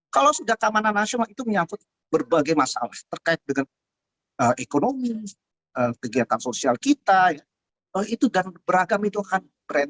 kalau sudah keamanan nasional itu menyangkut berbagai masalah terkait dengan ekonomi kegiatan sosial kita itu dan beragam itu kan keren